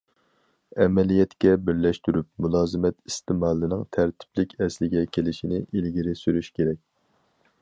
ئەمەلىيەتكە بىرلەشتۈرۈپ، مۇلازىمەت ئىستېمالىنىڭ تەرتىپلىك ئەسلىگە كېلىشىنى ئىلگىرى سۈرۈش كېرەك.